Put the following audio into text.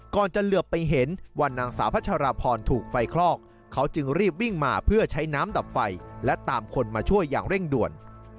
จะเหลือไปเห็นวันนางสาวพัชราพรถูกไฟคลอกเขาจึงรีบวิ่งมาเพื่อใช้น้ำดับไฟและตามคนมาช่วยอย่างเร่งด่วน